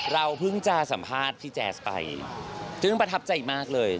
เราเพิ่งจะสัมภาษณ์พี่แจ๊สไปซึ่งประทับใจมากเลย